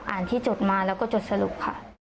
อ่านที่จดมาแล้วก็จดสรุปค่ะ